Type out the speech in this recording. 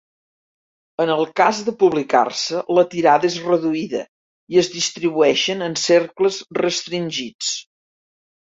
En el cas de publicar-se, la tirada és reduïda i es distribueixen en cercles restringits.